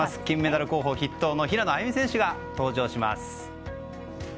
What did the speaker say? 金メダル候補筆頭の平野歩夢選手が登場します。